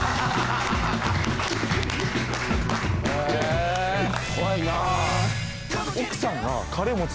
え怖いな。